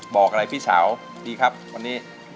บอกอะไรพี่สาวดีครับวันนี้